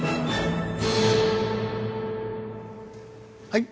はい。